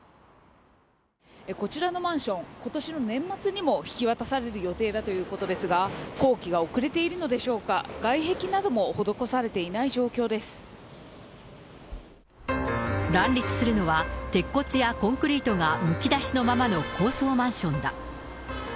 こちらのマンション、ことしの年末にも引き渡される予定だということですが、工期が遅れているのでしょうか、外壁なども施されていない状況で乱立するのは、鉄骨やコンクリートがむき出しのままの高層マンションだ。